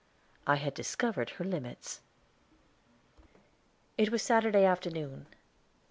I had discovered her limits. It was Saturday afternoon.